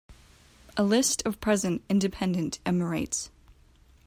A list of present independent Emirates.